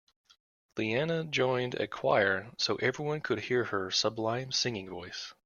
Leanne joined a choir so everyone could hear her sublime singing voice.